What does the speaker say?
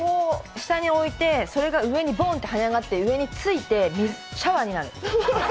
下に置いて、それが上にボンってはね上がって、上についてシャワーになる。